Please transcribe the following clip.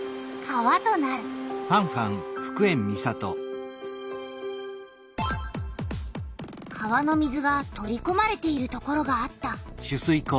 川の水が取りこまれているところがあった。